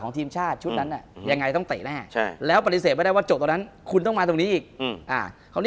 คุณผู้ชมบางท่าอาจจะไม่เข้าใจที่พิเตียร์สาร